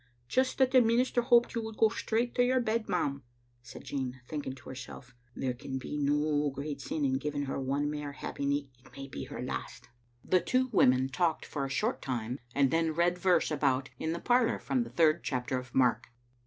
" Just that the minister hoped you would go straight to your bed, ma'am," said Jean, thinking to herself, "There can be no great sin in giving her one mair happy nicht; it may be her last." The two women talked for a short time, and then read verse about in the parlor from the third chapter of Mark.